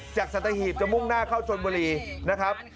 สัตหีบจะมุ่งหน้าเข้าชนบุรีนะครับ